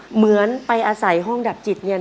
เหมือนไปอาศัยห้องดับจิตเนียน